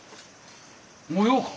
おようか？